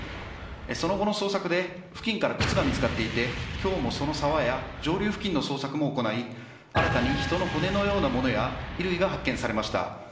その後の捜索で付近から靴が見つかっていて今日も、その沢や上流付近の捜索も行い新たに人の骨のようなものや衣類が発見されました。